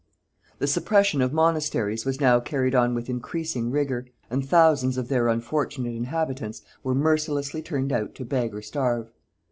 The suppression of monasteries was now carried on with increasing rigor, and thousands of their unfortunate inhabitants were mercilessly turned out to beg or starve.